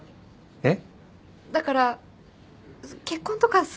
えっ？